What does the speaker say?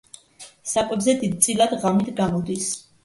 საკვებზე დიდწილად ღამით გამოდის.